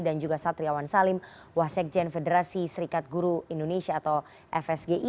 dan juga satriawan salim wasegjen federasi serikat guru indonesia atau fsgi